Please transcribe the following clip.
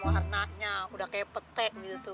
warnanya udah kayak petek gitu tuh